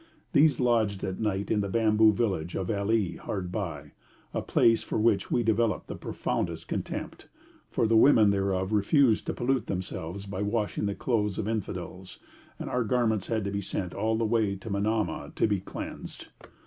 These lodged at night in the bamboo village of Ali hard by, a place for which we developed the profoundest contempt, for the women thereof refused to pollute themselves by washing the clothes of infidels, and our garments had to be sent all the way to Manamah to be cleansed.